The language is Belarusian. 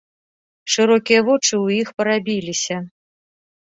Шырокія вочы ў іх парабіліся.